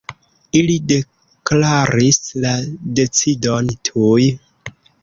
Ili deklaris la decidon tuj.